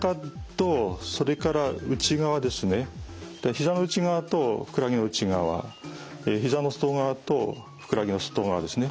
ひざの内側とふくらはぎの内側ひざの外側とふくらはぎの外側ですね。